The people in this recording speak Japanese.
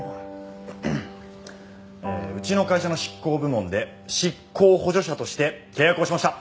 うちの会社の執行部門で執行補助者として契約をしました。